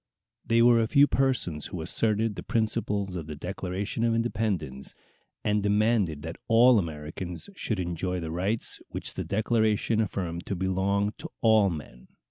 They were a few persons who asserted the principles of the Declaration of Independence, and demanded that all Americans should enjoy the rights which the Declaration affirmed to belong to all men.